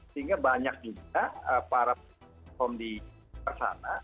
sehingga banyak juga para platform di sana